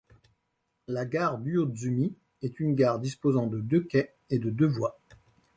La gare d'Uozumi est une gare disposant de deux quais et de deux voies.